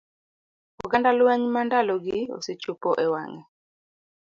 Oganda lweny ma ndalogi osechopo e wang'e.